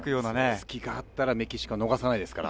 隙があったらメキシコは逃さないですから。